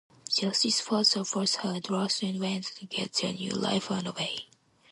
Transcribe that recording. Justy's father offers her a trust endowment to get their new life under way.